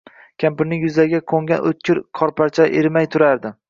Kampirning yuzlariga qoʻngan oʻtkir qorparchalar erimay turardi.